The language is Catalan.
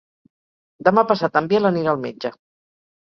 Demà passat en Biel anirà al metge.